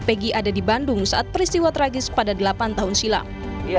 pegi ada di bandung saat peristiwa tragis pada delapan tahun silam